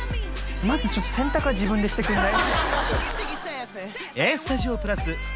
まずちょっと洗濯は自分でしてくんない？